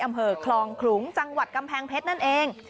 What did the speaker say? อำเภอคลองขลุงจังหวัดกำแพงเพชรนั่นเอง